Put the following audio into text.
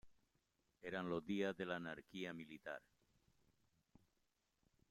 Eran los días de la anarquía militar.